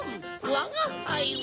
わがはいは。